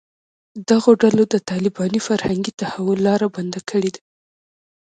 دغو ډلو د طالباني فرهنګي تحول لاره بنده کړې ده